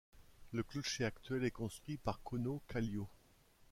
Le clocher actuel est construit par Kauno Kallio.